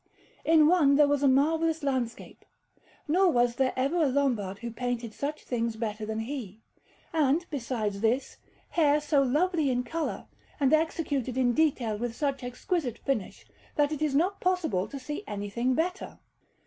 In one there was a marvellous landscape, nor was there ever a Lombard who painted such things better than he; and, besides this, hair so lovely in colour, and executed in detail with such exquisite finish, that it is not possible to see anything better.